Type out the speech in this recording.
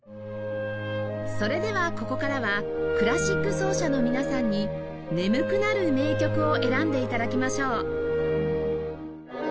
それではここからはクラシック奏者の皆さんに眠くなる名曲を選んで頂きましょう